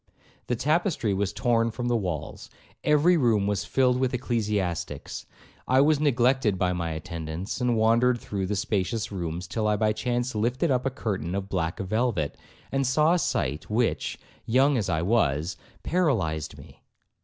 The tapestry was torn from the walls; every room was filled with ecclesiastics; I was neglected by my attendants, and wandered through the spacious rooms, till I by chance lifted up a curtain of black velvet, and saw a sight which, young as I was, paralyzed me.